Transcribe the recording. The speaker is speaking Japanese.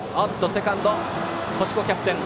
セカンド、星子キャプテン